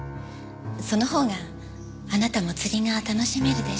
そのほうがあなたも釣りが楽しめるでしょ？